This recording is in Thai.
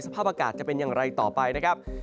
สภาพอากาศจะเป็นอย่างไรต่อไปนะครับ